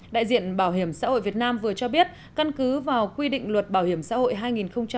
đại diện bảo hiểm xã hội việt nam vừa cho biết căn cứ vào quy định luật bảo hiểm xã hội hai nghìn một mươi bốn